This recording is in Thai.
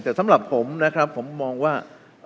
แต่สำหรับผมนะครับผมมองว่า